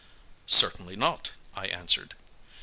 "Certainly not!" I answered.